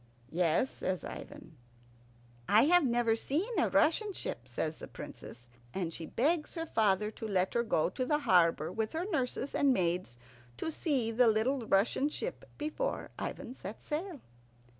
"Yes," says Ivan. "I have never seen a Russian ship," says the Princess, and she begs her father to let her go to the harbour with her nurses and maids, to see the little Russian ship before Ivan set sail.